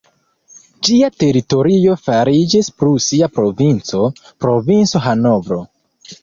Ĝia teritorio fariĝis prusia provinco, "provinco Hanovro".